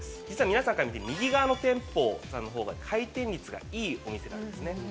実は皆さんから見て右側の店舗さんのほうが回転率がいいお店なんですね。